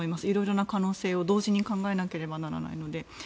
いろいろな可能性を同時に考えないといけないので。